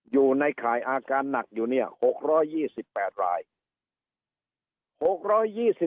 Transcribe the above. อยู่ในขายอาการหนักอยู่๖๒๘ราย